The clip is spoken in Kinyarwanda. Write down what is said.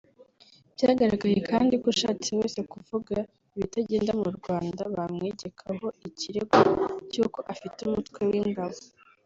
Byagaragaye kandi ko ushatse wese kuvuga ibitagenda mu Rwanda bamwegekaho ikirego cy’uko afite umutwe w’ingabo